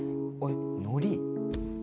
のり。